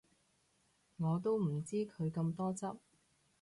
我都唔知佢咁多汁